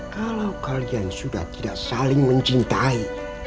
kalau kalian sudah tidak saling mencintai